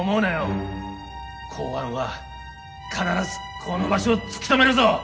公安は必ずこの場所を突き止めるぞ！